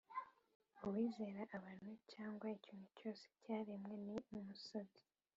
Uwizera abantu cyangwa ikintu cyose cyaremwe ni umusazi